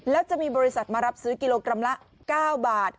แล้วจะมีบริษัทมารับซื้อกิโลกรัมละ๙บาท